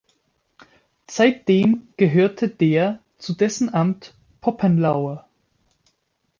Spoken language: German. Seitdem gehörte der zu dessen Amt Poppenlauer.